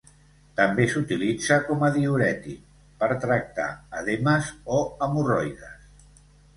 També s'utilitza com a diürètic, per tractar edemes o hemorroides.